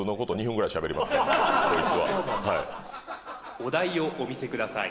ただただお題をお見せください